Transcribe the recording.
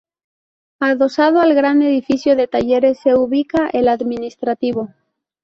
Adosado al gran edificio de talleres se ubica el administrativo.